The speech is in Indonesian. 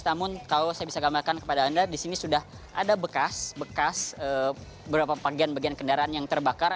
namun kalau saya bisa gambarkan kepada anda di sini sudah ada bekas bekas beberapa bagian bagian kendaraan yang terbakar